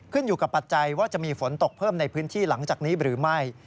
ขึ้นอยู่กับปัจจัยว่าจะมีฝนตกเพิ่มในพื้นที่หลังจากนี้หรือไม่